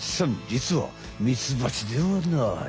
じつはミツバチではない！